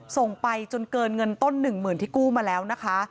ส่งไปจนเกินเงินต้นหนึ่งหมื่นที่กู้มาแล้วนะคะ